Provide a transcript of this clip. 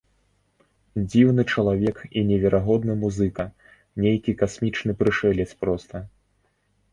Дзіўны чалавек і неверагодны музыка, нейкі касмічны прышэлец проста!